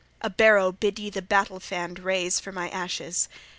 A barrow bid ye the battle fanned raise for my ashes.